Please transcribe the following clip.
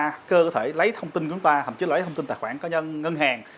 hacker có thể lấy thông tin của chúng ta thậm chí lấy thông tin tài khoản cá nhân ngân hàng